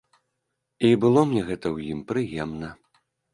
І было мне гэта ў ім прыемна.